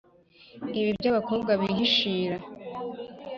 ibi by’abakobwa bihishira